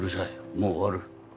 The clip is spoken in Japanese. もう終わる。